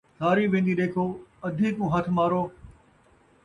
ساری وین٘دی ݙیکھو ، ادھی کوں ہتھ مارو